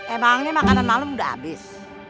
emangnya makanan malam udah habis